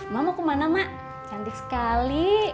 mama mau kemana mak cantik sekali